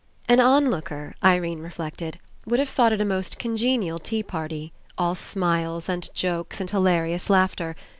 An on looker, Irene reflected, would have thought It a most congenial tea party, all smiles and jokes and hilarious laughter.